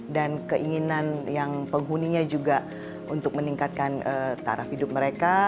dan keinginan yang penghuninya juga untuk meningkatkan taraf hidup mereka